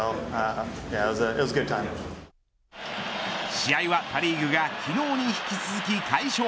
試合はパ・リーグが昨日に引き続き快勝。